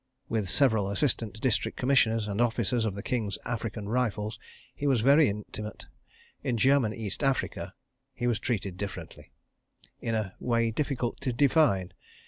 With several Assistant District Commissioners and officers of the King's African Rifles he was very intimate. In German East Africa he was treated differently—in a way difficult to define.